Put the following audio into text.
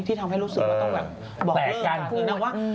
ที่ทำให้รู้สึกจะต้องแบบบอกให้ดู